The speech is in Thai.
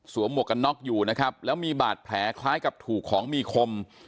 หมวกกันน็อกอยู่นะครับแล้วมีบาดแผลคล้ายกับถูกของมีคม